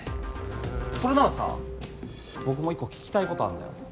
それならさ僕も１個聞きたいことあんだよ。